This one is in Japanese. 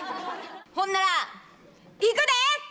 ほんならいくで！